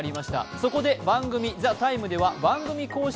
そこで番組「ＴＨＥＴＩＭＥ，」では番組公式